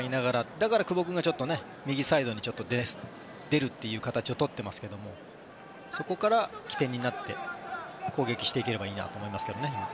だから久保君が右サイドに出るという形をとっていますけどもそこから起点になって攻撃をしていければいいと思いますね。